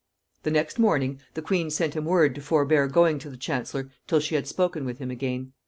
The next morning, the queen sent him word to forbear going to the chancellor till she had spoken with him again.